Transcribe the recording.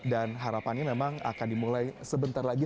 dan harapannya memang akan dimulai sebentar lagi